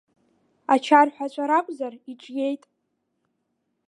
Ачарҳәацәа ракәзар, иҿиеит.